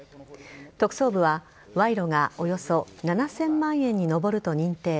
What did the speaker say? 特捜部は、賄賂がおよそ７０００万円に上ると認定。